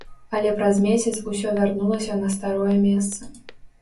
Але праз месяц усё вярнулася на старое месца.